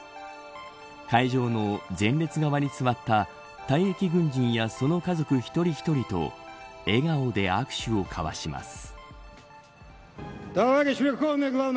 会場の前列側に座った退役軍人や、その家族１人１人と笑顔で握手を交わします。